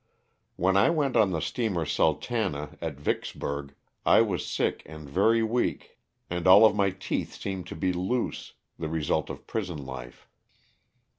When 1 went on the steamer ''Sultana," at Vicks burg, I was sick and very weak and all of my teeth 70 LOSS OF THE SULTANA. seemed to be loose (the result of prison life).